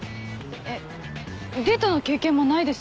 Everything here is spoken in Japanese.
えっデートの経験もないです。